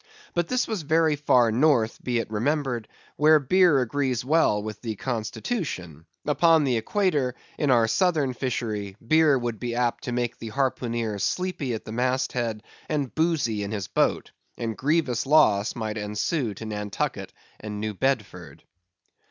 But this was very far North, be it remembered, where beer agrees well with the constitution; upon the Equator, in our southern fishery, beer would be apt to make the harpooneer sleepy at the mast head and boozy in his boat; and grievous loss might ensue to Nantucket and New Bedford.